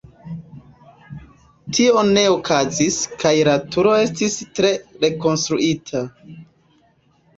Tio ne okazis kaj la turo estis tre rekonstruita.